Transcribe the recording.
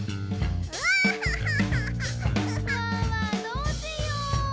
どうしよう？